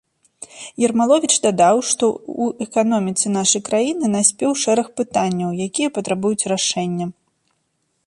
Ермаловіч дадаў, што ў эканоміцы нашай краіны наспеў шэраг пытанняў, якія патрабуюць рашэння.